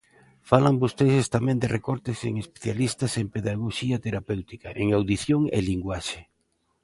Falan vostedes tamén de recortes en especialistas en pedagoxía terapéutica, en audición e linguaxe.